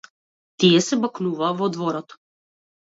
Тие се бакнуваа во дворот.